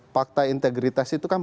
pakta integritas itu kan